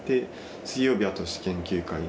水曜日はとし研究会で。